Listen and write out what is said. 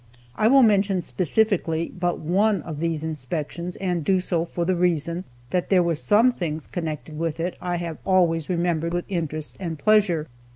I will mention specifically but one of these inspections, and do so for the reason that there were some things connected with it I have always remembered with interest and pleasure.